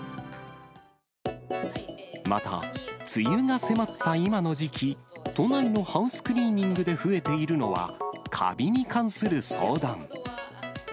また、梅雨が迫った今の時期、都内のハウスクリーニングで増えているのは、カビに関する相談。